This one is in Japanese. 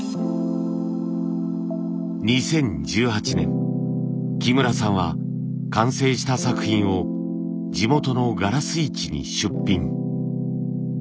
２０１８年木村さんは完成した作品を地元のがらす市に出品。